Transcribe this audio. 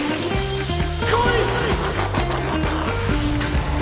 来い！